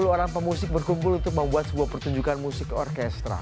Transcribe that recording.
sepuluh orang pemusik berkumpul untuk membuat sebuah pertunjukan musik orkestra